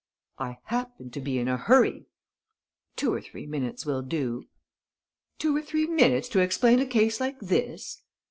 "I happen to be in a hurry." "Two or three minutes will do." "Two or three minutes to explain a case like this!"